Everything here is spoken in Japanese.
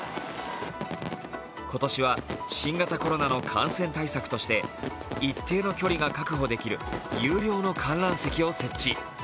今年は、新型コロナの感染対策として、一定の距離が確保できる有料の観覧席を設置。